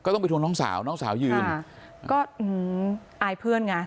ต้องไปทวงน้องสาวน้องสาวยืมค่ะก็อายเพื่อนไง